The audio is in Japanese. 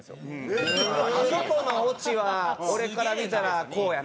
「あそこのオチは俺から見たらこうやな」とか。